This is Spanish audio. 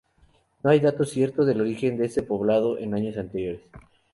No hay datos ciertos del origen de este poblado en años anteriores.